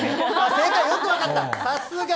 正解、よく分かった、さすが。